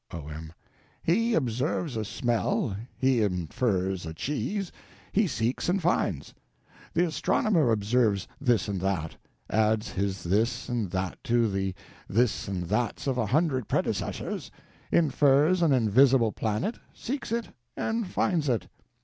O.M. He observes a smell, he infers a cheese, he seeks and finds. The astronomer observes this and that; adds his this and that to the this and thats of a hundred predecessors, infers an invisible planet, seeks it and finds it.